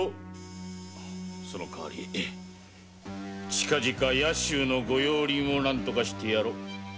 その代わり近々野州の御用林の方をなんとかしてやろう。